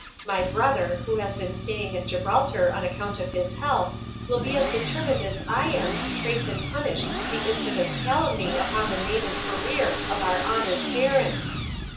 My brother, who has been stay ing at Gibraltar on account of his health, will be as determined as I am to trace and punish the infamous calumny upon the name and career of our honored parent."